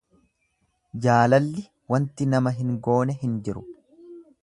Jaalalli wanti nama hin goone hin jiru.